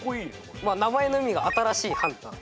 名前の意味が新しいハンター。